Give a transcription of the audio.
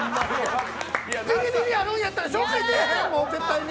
ビリビリやるんやったら紹介せえへん、もう絶対に！